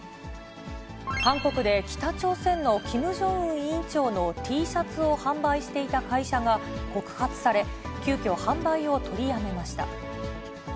韓国で北朝鮮のキム・ジョンウン委員長のＴシャツを販売していた会社が告発され、急きょ、販売を取りやめました。